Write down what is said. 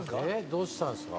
どうしたんですか？